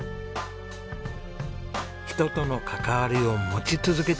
人との関わりを持ち続けたい。